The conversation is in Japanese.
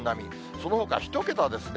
そのほか１桁ですね。